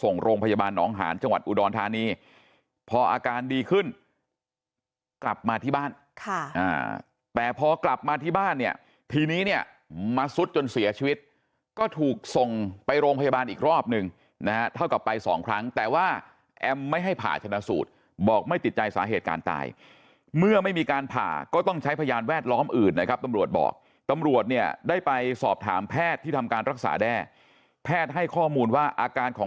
กลับมาที่บ้านค่ะแต่พอกลับมาที่บ้านเนี่ยทีนี้เนี่ยมาซุดจนเสียชีวิตก็ถูกส่งไปโรงพยาบาลอีกรอบหนึ่งนะเท่ากับไป๒ครั้งแต่ว่าแอมไม่ให้ผ่าชนะสูตรบอกไม่ติดใจสาเหตุการณ์ตายเมื่อไม่มีการผ่าก็ต้องใช้พยานแวดล้อมอื่นนะครับตำรวจบอกตำรวจเนี่ยได้ไปสอบถามแพทย์ที่ทำการรักษาแด้แพทย์ให้ข